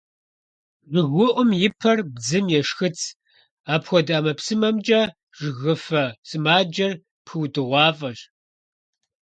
ЖыгыуӀум и пэр бдзым ещхыц, апхуэдэ ӀэмэпсымэмкӀэ жыгыфэ сымаджэр пхыудыгъуафӀэщ.